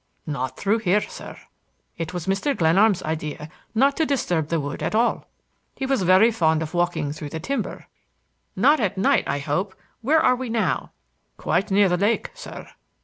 "Not through here, sir. It was Mr. Glenarm's idea not to disturb the wood at all. He was very fond of walking through the timber." "Not at night, I hope! Where are we now?" "Quite near the lake, sir."